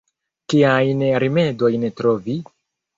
Kiajn rimedojn trovi?